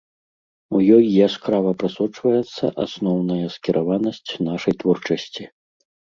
У ёй яскрава прасочваецца асноўная скіраванасць нашай творчасці.